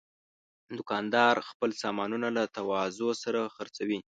دوکاندار خپل سامانونه له تواضع سره خرڅوي.